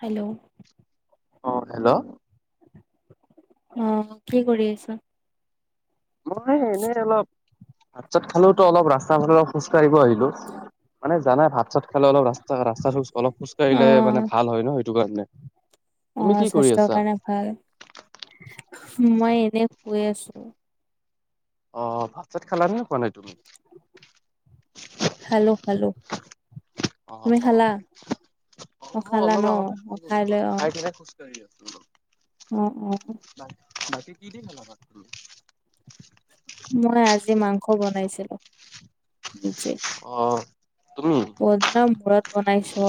Hello, অহ, hello, অহ, কি কৰি আছাঁ? মই এনেই অলপ ভাত চাত খালেতো অলপ ৰাস্তা ফালে অলপ খোজ কাঢ়িব আহিলো। মানে জানাই ভাত চাত খালে অলপ ৰাস্তা ৰাস্তাজ অলপ অ খোজকাঢ়িলে মানে ভাল হয় ন সেইটো কাৰণে। তুমি অহ, কি কৰি স্বাস্থ্যৰ আছা? কাৰণে ভাল মই এনে শুই আছো। অহ, ভাত চাত খালা নে খোৱা নাই তুমি? খালো খালো। অহ‌ তুমি অ খালা? অ মই অলপ আগতে খালো অ খাই কিনে খোজ খোজকাঢ়ি আছোঁ অলপ। অহ অহ, নাই বাকী কি দি খালা ভাত? মই আজি মাংস বনাইছিলো নিজে। অ, তুমি? বহুত দিনৰ মূৰত বনাইছো।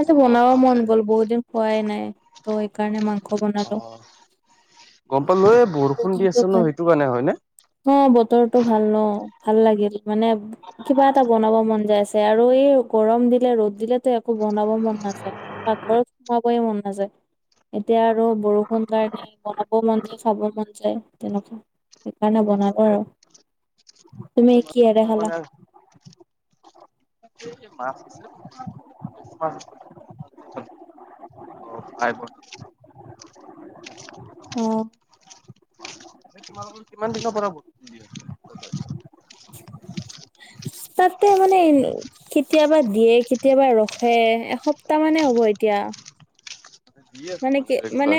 অ বনাব মন ভালে গ'ল বহুত দিন খোৱাই নাই। ত এইকাৰণে মাংস অ বনালো। গম পালো এই বৰষুণ দি আছে ন সেইটো কাৰণে হয় নে? অহ বতৰটো ভাল ন, ভাল লাগিল মানে কিবা এটা বনাব মন, যাই আছে আৰু এই গৰম দিলে ৰ'দ দিলেটো একো বনাব মন নাযায়। পাকঘৰত সোমাবয়ে মন নাযায়। এতিয়া আৰু বৰষুণ কাৰণে বনাব মন যায়, খাব মন যায় তেনেকুৱা। সেইকাৰণে বনাব আৰু তুমি কিহেৰে তোমাৰ খালা? মানে এ মাছ আছে [unintelligible] মাছ মাছ [unintelligible] হু। [unintelligible] হ'ল কিমান দিনৰ পৰা দি আছে তাতে মানে এ কেতিয়াবা দিয়ে, কেতিয়াবা ৰখে। এসপ্তাহ মানে হ'ব এতিয়া। দি আছে মানে কি মানে ৰেগুলাৰ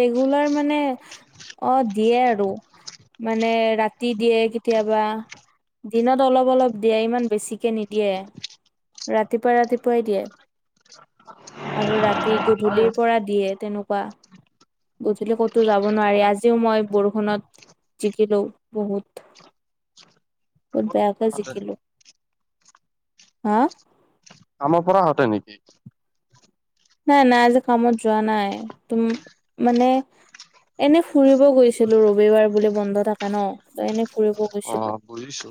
ৰেগুলাৰ মানে অ দিয়ে আৰু। মানে ৰাতি দিয়ে কেতিয়াবা। দিনত অলপ অলপ দিয়ে, ইমান বেছিকে নিদিয়ে। ৰাতিপুৱা ৰাতিপুৱাই দিয়ে আৰু ৰাতি গধূলিৰ পৰা দিয়ে তেনেকুৱা। গধূলি ক'তো যাব নোৱাৰি। আজিও মই বৰষুণত জিকিলো বহুত। বহুত বেয়াকে জিকিলো। হা? কামৰ পৰা আহোতে নেকি? নাই, নাই আজি কামত যোৱা নাই। তুম মানে এনে ফুৰিব গৈছিলো। ৰবিবাৰ বুলি বন্ধ থাকে ন। ত এনে ফুৰিব অ গৈছিলো। বুজিছো।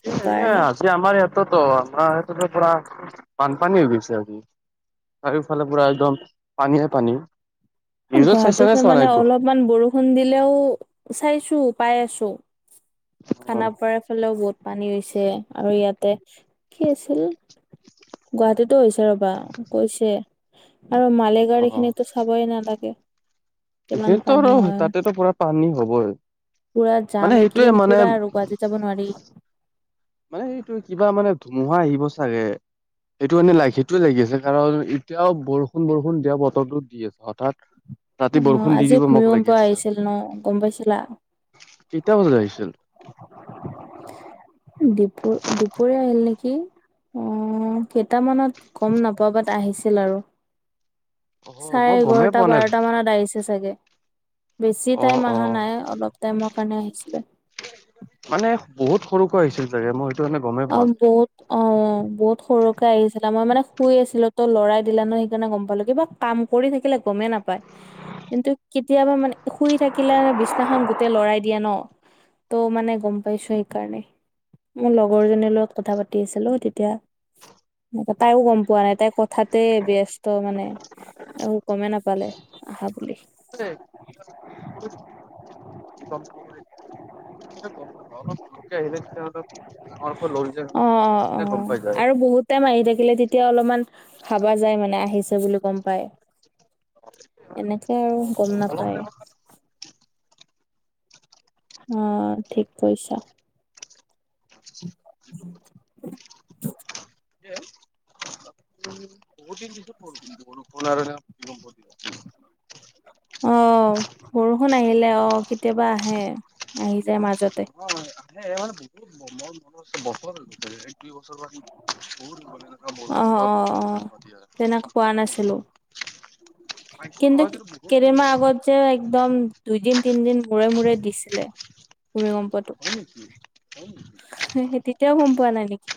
সেইকাৰণে আজি আমাৰ ইয়াতোটো আমাৰ [unintelligible] পুৰা বানপানী হৈ গৈছে আজি। চাৰিওফালে পুৰা একদম পানীয়ে পানী। নিউজত চাইছা নে গুৱাহাটীত চোৱা নাই মানে অলপমান বৰষুণ দিলেও চাইছো, পাই আছো। খানাপাৰাৰ ফালেও বহুত পানী হৈছে আৰু ইয়াতে কি আছিল গুৱাহাটীতো হৈছে ৰ'বা কৈছে। আৰু মালিগাঁওৰ অ অ এইখিনিটো চাবই নালাগে। কিমান পানী [unintelligible] হয় তাতেটো পুৰা পানী হ'বই। পুৰা মানে জাম। সেইটোয়ে এইকেইদিন মানে পুৰা আৰু গুৱাহাটী যাব নোৱাৰি। মানে এইটো কিবা মানে ধুমুহা আহিব চাগে। সেইটো মানে লাগি সেইটোৱে লাগি আছে। কাৰণ এতিয়াও বৰষুণ বৰষুণ দিয়া বতৰটোত দি আছে। হঠাৎ ৰাতি বৰষুণ দি আজি দিব মোক ভূমিকম্প লাগি আছিল আহিছিল ন, গম পাইছিলা? কেইটা বজাত আহিছিল দুপুৰ দুপৰীয়া আহিল নেকি? অ কেইটামানত গম নাপাও। বাট আহিছিল আৰু। অ চাৰে মই গমেই এঘাৰটা পোৱা নাই বাৰট মানত আহিছে চাগে। বেছি অ টাইম অ আহা নাই, অলপ টাইমৰ কাৰণে আহিছিলে। মানে বহুত সৰুকৈ আহিছিল চাগে? মই কাৰণে গমেই অ, পোৱা নাই বহুত অ। অ বহুত সৰুকে আহিছিলে। আমাৰ মানে শুই আছিলো তো লৰাই দিলে ন সেইকাৰণে গম পালো। কিবা কাম কৰি থাকিলে গমেই নাপায়। কিন্তু কেতিয়াবা মানে শুই থাকিলে বিছনাখন গোটেই লৰাই দিয়ে ন। ত মানে গম পাইছো সেইকাৰণে। মোৰ লগ লগৰজনীৰ লগত কথা পাতি আছিলো তেতিয়া তাইও গম পোৱা নাই। তাই কথাতে ব্যস্ত মানে। একো গমে নাপালে আহা বুলি। [unintelligible] [unintelligible] গম নাপাও বাট জোৰকে আহিলে তেতিয়া অলপ ডাঙৰকৈ লৰি যায় অ-অ তেতিয়া গম পাই যায় আৰু বহুত বহুত টাইম আহি থাকিলে তেতিয়া অলপমান ভাবা যায় মানে আহিছে বুলি গম পায়। এনেকে আৰু গম অলপ নাপায়। অঁ ঠিক কৈছা। [inaudible] [unintelligible] অঁ বৰষুণ আহিলে অঁ কেতিয়াবা আহে, আহি যায় মাজতে। অঁ আহে মানে বহুত মোৰ মনত আছে, বছৰ হৈ গ'ল চাগে? দুই বছৰ আহি বহুত হৈ গ'ল ৰে [unintelligible] তো অ বৰষুণ অলত অ অ তেনেকুৱা দিয়ে তেনেকে পোৱা ন? নাছিলো কিন্তু কেইদিনমান আগত যে একদম দুইদিন, তিনদিন মূৰে-মূৰে দিছিলে ভূমিকম্পটো। হয় [unintelligible] এতিয়াও গম পোৱা নাই নেকি?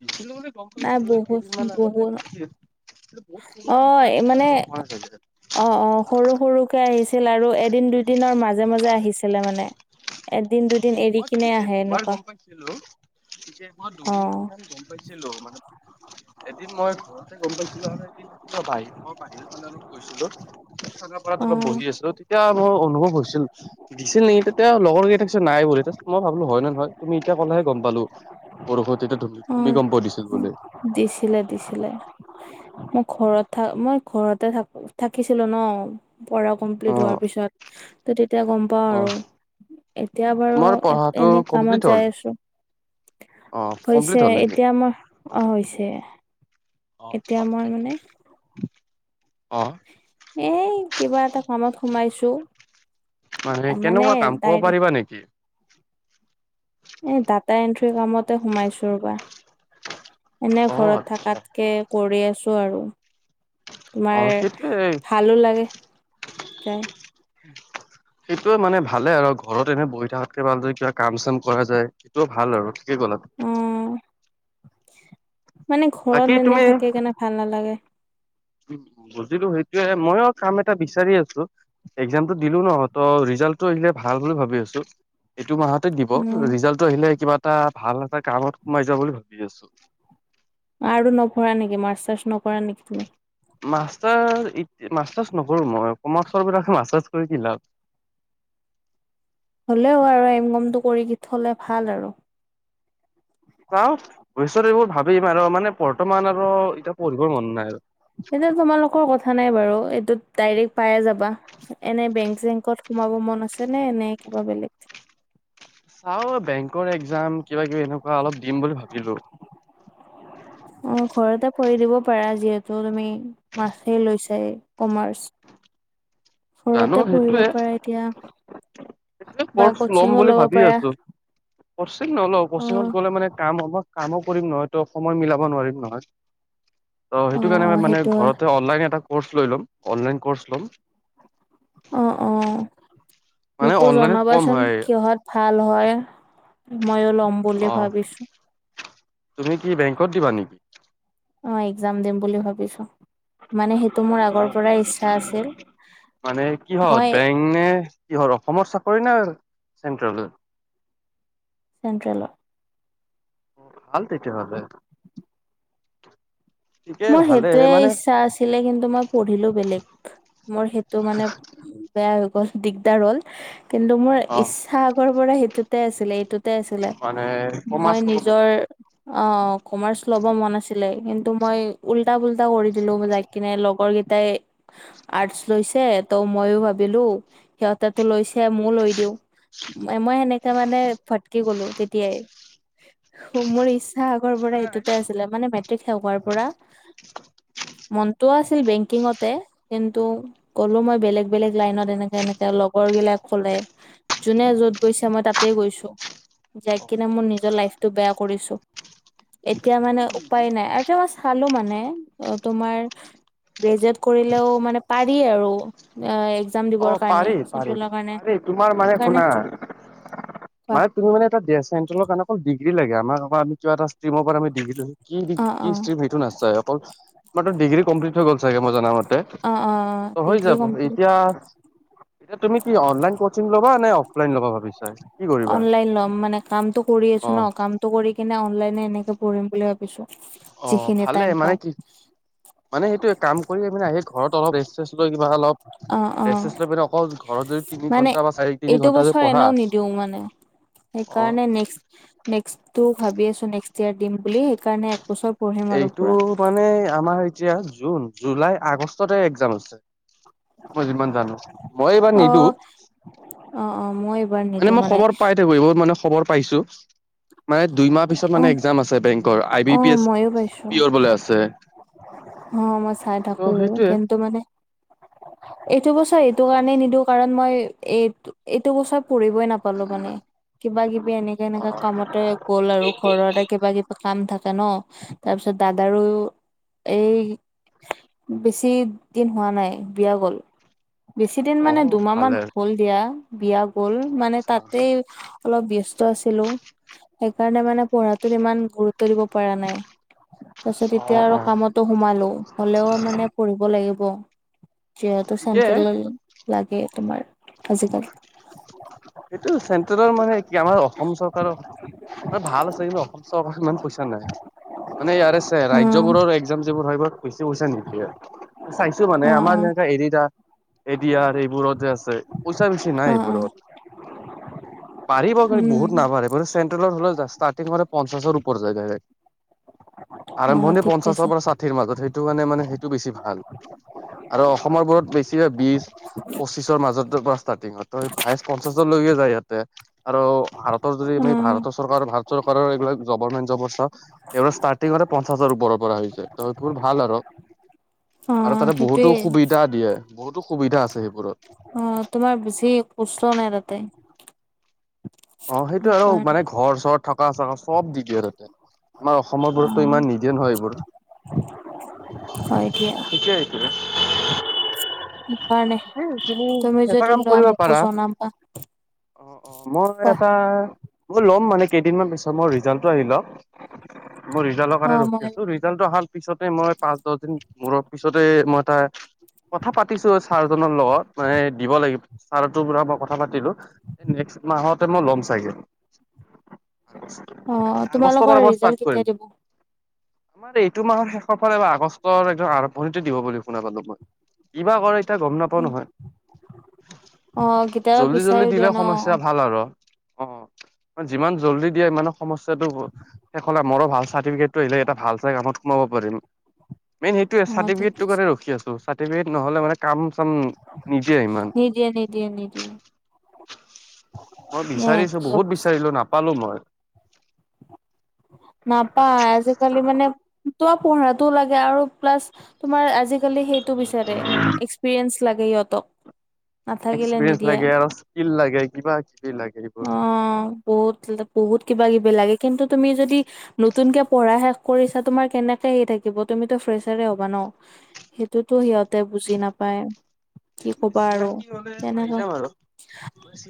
দিছিলো মানে গম নাই পাইছিলো, বহুত কেইদিনমান আগততে বহুত দিছিল, অ মানে [unintelligible] গম পোৱা নায় চাগে? অ অ সৰু সৰুকে আহিছিল আৰু এদিন দুইদিনৰ মাজে-মাজে আহিছিলে মানে। এদিন দুদিন এৰি। মই কিনে আহে দুবাৰ এনেকুৱা গম পাইছিলো, পিছে মই অ দুদিন মান গম পাইছিলো, মানে এদিন মই ঘৰতে গম পাইছিলো আৰু এদিন আ বাহিৰ বাহিৰৰ ফালে অলপ গৈছিলো, খানাপাৰাত অ অলপ বহি আছিলোঁ এয়া মোৰ অনুভৱ হৈছিল, দিছিল নেকি তেতিয়া লগৰ কেইটাৰ চোন নাই বুলিতো মই ভাল হয় নে নহয়, তুমি এতিয়া ক'লেহে গম পালো, বৰষুণ তেতিয়া অ ভূমিকম্প দিছিল বুলি। দিছিলে, দিছিলে। মই ঘৰত থা মই ঘৰতে থাকো থাকিছিলো ন? পঢ়া কমপ্লিট হোৱাৰ অ', পিছত ত তেতিয়া পাওঁ আৰু অ', এতিয়া বাৰু তোমাৰ পঢ়াটো এনে কামত কমপ্লিট হ'ল? যাই আছো। অ', কমপ্লিট হৈছে হ'ল নেকি? এতিয়া মই অ'। অঁ হৈছে, এতিয়া মই মানে অঁ। এ কিবা এটা কামত সোমাইছো। মানে কেনেকুৱা কাম, কব পাৰিবা নেকি? এই ডাটা এন্ট্ৰি কামতে সোমাইছো ৰবা, এনে অ', ঘৰত আচ্ছা। থাকাত কেএ কৰি আছো আৰু। তোমাৰ অ', সেইটোৱে ভালো লাগে যাই সেইটোয়ে মানে ভালে আৰু ঘৰত এনেই বহি থাকাতকে ভালযদি কিবা কাম-চাম কৰা যায়। সেইটোও ভাল আৰু ঠিকে ক'লা। অ মানে বাকী ঘৰত এনে তুমি থাকি কিনে ভাল নালাগে। উ বুজিলো সেইটোয়ে ময়ো কাম এটা বিচাৰি আছো একজামটো দিলোঁ ন তহঁতৰ ৰিজাল্টটো আহিলে ভাল বুলি ভাবি আছোঁ। এইটো মাহতে দিব, উম ৰিজাল্ট আহিলে কিবা এটা ভাল এটা কামত সোমাই যোৱা বুলি ভাবি আছো। আৰু নপঢ়া নেকি মাষ্টচাষ্ট নকৰা নেকি তুমি? মাষ্টাৰ, মাষ্টচাষ্ট নকৰো মই কমাৰ্চৰ বিলাখন মাষ্টাৰ্ছ কৰি কি লাভ। হলেও আৰু এম কমটো কৰি থলে ভাল আৰু। চাও পিছত এইবোৰ ভাবিম আৰু মানে বৰ্তমান আৰু এতিয়া পঢ়িব মন নাই আৰু। হ'লেও তোমালোকৰ কথা নাই বাৰু, এইটো ডাইৰেক্ট পাইে যাবা, এনে বেংক-চেংকত সোমাব মন আছেনে নে কিবা বেলেগ? চাও বেংকৰ এক্সাম কিবা কিবি এনেকুৱা অলপ দিম বুলি ভাবিলো। অঁ ঘৰতে কৰি দিব পাৰা যিহেতু তুমি, মাষ্টলৈছাই কমাৰ্চ জানো ঘৰতে পঢ়িব সেইটোয়ে পাৰা এতিয়া সেইটোৱে বা কচিঙো লব পাৰা। কচ্চিং নলও, কচ্চিংত অ' গলে মানে কাম হ'ব, কামো কৰিম নহয় ত সময় মিলাব নোৱাৰিম নহয়। ত সেইটো অ' কাৰণে ম অ' মানে সেইটো হয় ঘৰতে অনলাইন এটা কৰ্চ লৈ ল'ম, অনলাইন কৰ্চ লম অঁ, অঁ মানে মোকো অনলাইনত কম জনাবাচোন, হয় কিহত ভাল হয়, ময়ো লম বুলি অ' ভাবিছো। তুমি কি বেংকত দিবা নেকি। অ এক্সাম দিম বুলি ভাবিছো। মানে সেইটো মোৰ আগৰ পৰা ইচ্ছা আছিল। মানে কিহত মই, বেংক নে কিহৰ অসমৰ চাকৰি না চেন্ট্ৰেলত, চেণ্ট্ৰেল। ভাল তেতিয়া হ'লে। মোৰ সেইটোৱে ইচ্ছা আছিলে কিন্তু মই পঢ়িলো বেলেগ। মোৰ সেইটো মানে বেয়া হৈ গ'ল দিগদাৰ হ'ল। কিন্তু মোৰ অ ইচ্ছা আগৰ পৰা সেইটোতে আছিলে এইটোত, তে আছিলে মানে মই কমাৰ্চ হ'ব নিজৰ। অ কমাৰ্চ লব মন আছিলে কিন্তু মই, উল্টা পুল্টা কৰি দিলো মই যাই কিনে লগৰ কেইটাই, আৰ্টচ লৈছে ত' মইয়ো ভাবিলো সিহঁতেটু লৈছে মইয়ো লৈ দিওঁ। মই সেনেকে মানে ফটকি গলো তেতিয়াই। মোৰ ইচ্ছা আগৰ পৰা এইটোতে আছিলে মানে মেট্ৰিক শেষ হোৱাৰ পৰা। মনটোও আছিল বেংকিঙতে কিন্তু, কলো মই বেলেগ বেলেগ লাইনত এনেকা এনেকা লগৰ বিলাক কলে যোনে য'ত, গৈছে মই তাতে গৈছো যাই কিনে মোৰ নিজৰ লাইফতটো বেয়া কৰিছো। এতিয়া মানে উপায় নাই আৰু [unintelligible] চালো মানে তোমাৰ গ্ৰেজুৱেট কৰিলেও মানে পাৰি আৰু এক্সাম অ দিবৰ কাৰণে পাৰি পাৰি চেন্ট্ৰেলৰ কাৰণে পাৰি তোমাৰ মানে সেইকাৰণে, শুনা কোৱা মানে তুমি মানে এটা দিয়া চেণ্ট্ৰেলৰ কাৰনে অকল ডিগ্ৰী লাগে আমাক অকল কিবা ষ্ট্ৰিমৰ পৰা আমাৰ ডিগ্ৰীটো, কি অ কি অ ষ্টিম সেইটো নাচাই অকল তোমাৰটো ডিগ্ৰী কমপ্লিট হৈ গ'ল চাগে মই জনা মতে। অ হৈ ডিগ্ৰী যাব কমপ্লিট এতিয়া, এতিয়া তুমি কি অনলাইন কচিং লবা নে অফলাইন লবা ভাবিছা কি কৰি, অনলাইন ল'ম মানে, কামটো কৰি আছো ন কামটো কৰি কিনে অনলাইনে এনেকে পঢ়িম বুলি ভাবি, চো অ ভালে মানে কি। মানে সেইটোৱে কাম কৰি পিনে আহি ঘৰত অলপ ৰেষ্ট সেষ্ট লৈ কিবা অলপ অ অ ৰেষ্ট চেষ্ট লৈ পিনে অলপ, অকল ঘৰত যদি তিনি মানে ঘন্টা বা চাৰি তিনি এইটো ঘন্টা যদি বছৰ পঢ়া এনেও নিদিও মানে অ, সেইকাৰণে নেক্সট, নেক্সটটো ভাবি আছো নেক্সট ইয়ৰ দিম বুলি সেইকাৰণে একবছৰ, পঢ়িম আৰু এইটো পুৰা মানে আমাৰ এতিয়া জুন জুলাই আগষ্টতে এক্সাম আছে, মই যিমান জানো মই এইবাৰ অ নিদো। অ অ মই, এইবাৰ মানে নিদো মই খবৰ পাই থাকো এইবোৰ মানে খবৰ পাইছো মানে দুই মাহ পিছত অ মানে এক্সাম আছে বেংক, ৰ আই অ বি পি এছ মইয়ো পাইছো পিওৰ বোলে আছে, অ মই চাই থাকো ত' সেইটোৱে। কিন্তু মানে, এইটো বছৰ এইটো কাৰণেই নিদো কাৰণ মই এই এইটো বছৰ পঢ়িবই নাপাও, পালো মানে কিবা কিবি এনেকা এনেকা কামতে গ'ল আৰু ঘৰতে কিবা কিবি, কাম থাকে ন তাৰ পিছত দাদাৰো, এই বেছি দিন হোৱা নাই। বিয়া গ'ল বেছি দিন অ মানে দুমাহ মান ভালে হ'ল দিয়া। বিয়া গ'ল অ মানে আচ্ছা তাতেই অলপ ব্যস্ত আছিলো। সেইকাৰণে মানে পঢ়াটোত ইমান গুৰুত্ব দিব পৰা নাই। তাৰ পিছত অ এতিয়া অ আৰু কামতো সোমালো হলেও মানে পঢ়িব লাগিব। যিহেতু ঠিকে চেন্ট্ৰেল লাগে তোমাৰ আজি-কালি। এইটো চেণ্ট্ৰেলৰ মানে কি, আমাৰ অসম চৰকাৰৰ মানে ভাল আছে কিন্তু অসম চৰকাৰ ইমান পইচা নাই মানে ইয়াৰে আছে অ ৰাজ্যবোৰৰ। এক্সাম যি বোৰ হয় গ'ল বেছি সোবিধা নিদিলে চাইছো মানে অ অ আমাৰ যেনকা এদিদা। এ দি আৰ এইবোৰত যে আছে। পইচা বেছি নাই অ অ এইবোৰত। বাঢ়িব [unintelligible] উম বহুত নাবহে বছ চেট্ৰেলৰ হ'লে জা ষ্টাৰ্টিংতে পঞ্চাছৰ ওপৰ যায় দাইৰেক। অ আৰম্ভণি ঠিক কৈছা পঞ্চাছৰ পৰা চাঠিৰ মাজত। সেইটোকাৰণে মানে সেইটো বেছি ভাল। আৰু অসমৰবোৰত বেছি বিছ পঁচিছৰ মাজত ষ্টাৰ্টিংত তই ভাইছ পঞ্চাছলৈকে যায় ইয়াতে আৰু ভাৰতৰ যদি অ আমি ভাৰতৰ চৰ আৰু ভাৰত চৰকাৰৰ এইবিলাক গভাৰমেণ্ট যবৰ চাও এইবোৰ ষ্টাৰ্টিঙতে পঞ্চাছৰ ওপৰৰ পৰা আহিছে। ত সেইবোৰ ভাল আৰু। অ আৰু তাতে বহুতো সেইটোয়ে সুবিধা দিয়ে, বহুতো সুবিধা আছে সেইবোৰত। অ তোমাৰ বেছি কুষ্ট নাই তাতে। অ সেইটো আৰু মানে সেইকাৰণে ঘৰ চৰ থকা চকা চব দি দিয়ে তাতে। আমাৰ অসমৰ অ বোৰতটো ইমান নিদিয়ে নহয় এইবোৰ। হয় দিয়া। কেতিয়া [unintelligible] সেইকাৰণে তুমি এটা যদি কাম লোৱা কৰিব মোকো পাৰা জনাবা। অ- অ মোৰ কোৱা এটা মই ল'ম মানে কেইদিনমান পিছত। মোৰ ৰিজাল্টটো আহি লওক। মই ৰিজাল্টৰ অ কাৰণে মই ৰখি আছো। ৰিজাল্ট অহাৰ পিছতে মই পাঁচ, দছ দিন মূৰ পিছতে মই এটা কথা পাতিছো। ছাৰজনৰ লগত মানে দিব লাগিব। ছাৰটোৰ পৰা মই কথা পাতিলো। এই নেক্সট মাহতে মই ল'ম চাগে। অ আগষ্টৰ তোমালোকৰ পৰা মই ৰিজাল্ট ষ্টাৰ্ট কেতিয়া কৰিম। দিব পিছে এইটো মাহৰ শেষৰ ফালে বা আগষ্টৰ একদম আৰম্ভণিতে দিব বুলি শুনা পালো মই। কিবা কৰে এতিয়া গম নাপাও নহয়। অ কেতিয়াবা জল্দি জল্দি বিচাৰি দিলে দিয়ে ন সমস্যা ভাল আৰু অ। যিমান জল্দি দিয়ে মানে সমস্যাটো শেষ অলপ মোৰো ভাল, চাৰ্টিফিকেটটো আহিলে এটা ভাল চে কাম সোমাব পাৰিম। মেইন সেইটোৱে অ ঠিক চাৰ্টিফিকেটটোৰ কৈছে কাৰণে ৰখি আছো। চাৰ্টিফিকেট নহ'লে মানে কাম চাম নিদিয়ে ইমান। নিদিয়ে, নিদিয়ে, নিদিয়ে। মই এ বিচাৰিছো। একেই বহুত অৱস্থা বিচাৰিলো নাপালো মই। নাপায়। আজি-কালি মানে তোমাৰ পঢ়াতো লাগে আৰু প্লাছ তোমাৰ আজি-কালি সেইটো বিচাৰে, এক্সপিৰিয়েন্ঞ্চ লাগে সিহঁতক। নাথাকিলে এক্সপিৰিয়েন্ঞ্চ নিদিয়ে লাগে আৰু স্কিল লাগে। কিবা-কিবি লাগে অ এইবোৰ। বহুত বহুত কিবা-কিবি লাগে। কিন্তু তুমি যদি নতুনকে পঢ়া শেষ কৰিছা তোমাৰ কেনেকে হে থাকিব। তুমিতো ফ্ৰেচাৰে হ'বা ন? সেইটোতো সিহঁতে বুজি নাপায়। কি ক'বা আৰু চিনাকি হ'লে পাই তেনেকা যাম আৰু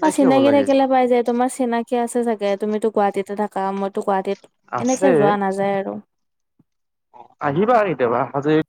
অ হ'ব চিনাকি লাগে এইবোৰ। থাকিলে পাই যায়। তোমাৰ চিনাক কি আছে চাগে। তুমিতো গুৱাহাটীতে থাকা। মইতো গুৱাহাটীত এনেকে আছে যোৱা নাযায় আৰু। অ আহিবা কেতিয়াবা। আজি